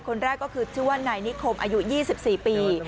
คนแรกก็คือชื่อว่านายนิคมอายุ๒๔ปี